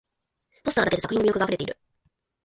ポスターだけで作品の魅力があふれている